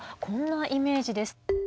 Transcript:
こんなイメージです。